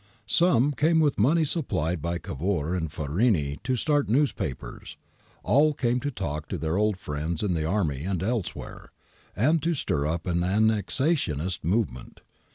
Some came with money supplied by Cavour and Farini to start newspapers ; all came to talk to their old friends in the army and elsewhere, and to stir up an annexationist movement.